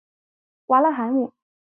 瓦勒海姆。